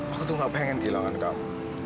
aku tuh gak pengen kehilangan kamu